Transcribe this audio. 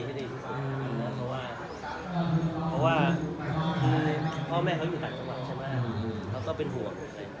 เพราะว่าเพราะว่าพ่อแม่เขาอยู่ต่างจังหวัดใช่ไหมเขาก็เป็นห่วง